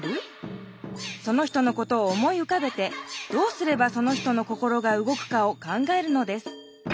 その人のことを思いうかべてどうすればその人の心が動くかを考えるのです。